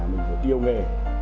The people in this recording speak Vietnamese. mình phải tiêu nghề